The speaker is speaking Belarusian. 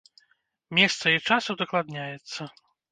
Месца і час удакладняецца.